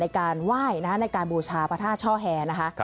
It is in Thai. ในการไหว้ในการบูชาพระธาตุช่อแห่นะคะ